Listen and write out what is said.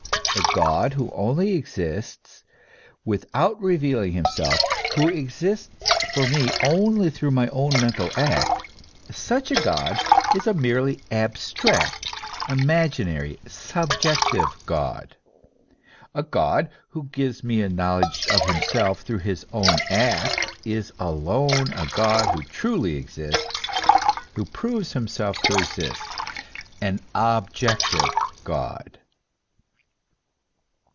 A God who only exists without revealing himself, who exists for me only through my own mental act, such a God is a merely abstract, imaginary, subjec tive God ; a God who gives me a knowledge of himself through his own act is alone a God who truly exists, who proves him self to exist, an objective God.